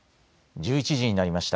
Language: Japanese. １１時になりました。